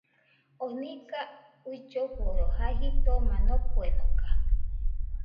Oo nɨga uilloforo jai jitoma noguenoga